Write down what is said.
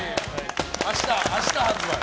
明日発売。